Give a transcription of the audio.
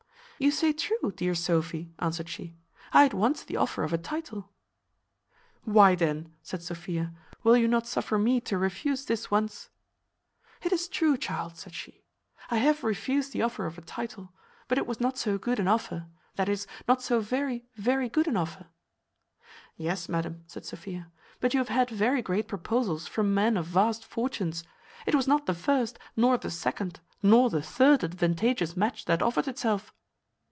"You say true, dear Sophy," answered she; "I had once the offer of a title." "Why, then," said Sophia, "will you not suffer me to refuse this once?" "It is true, child," said she, "I have refused the offer of a title; but it was not so good an offer; that is, not so very, very good an offer." "Yes, madam," said Sophia; "but you have had very great proposals from men of vast fortunes. It was not the first, nor the second, nor the third advantageous match that offered itself."